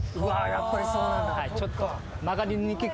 やっぱりそうなんだ。